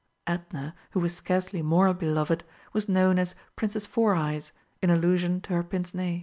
Edna, who was scarcely more beloved, was known as "Princess Four eyes," in allusion to her pince nez.